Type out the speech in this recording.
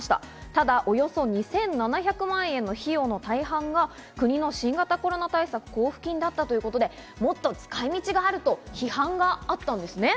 ただ、およそ２７００万円の費用の大半が国の新型コロナ対策交付金だったということで、もっと使い道があると批判があったんですね。